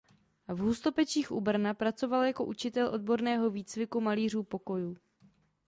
V Hustopečích u Brna pracoval jako učitel odborného výcviku malířů pokojů.